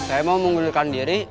saya mau mengundurkan diri